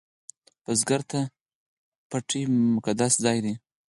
بزګر ته پټی مقدس ځای دی